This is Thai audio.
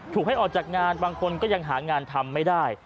ให้ออกจากงานบางคนก็ยังหางานทำไม่ได้